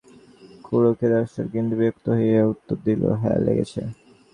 খুড়ো কেদারেশ্বর কিছু বিরক্ত হইয়া উত্তর দিল, হাঁ, লেগেছে।